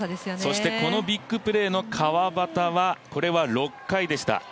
そしてこのビッグプレーの川畑はこれは６回でした。